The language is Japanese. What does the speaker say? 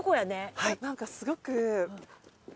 はい何かすごく。